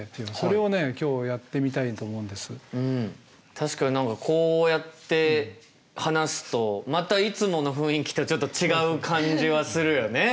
確かに何かこうやって話すとまたいつもの雰囲気とちょっと違う感じはするよね。